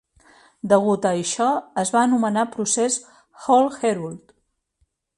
Degut a això, es va anomenar procés Hall-Heroult.